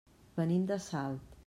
Venim de Salt.